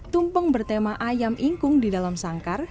tumpeng bertema ayam ingkung di dalam sangkar